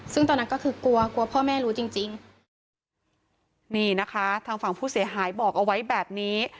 ซึ่งตอนนั้นก็คือกลัวกลัวพ่อแม่รู้จริงจริงนี่นะคะทางฝั่งผู้เสียหายบอกเอาไว้แบบนี้